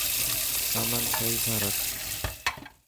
سامان سهي سان رک.